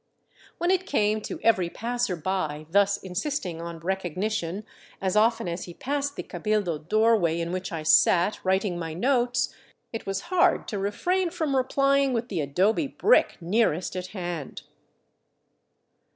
When it came to every passerby thus insisting on recognition 412 . THE CITY OF THE SUN as often as he passed the cabildo doorway in which I sat writing my notes, it was hard to refrain from replying with the adobe brick nearest at hand.